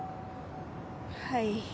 はい。